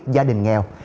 giá đình nghèo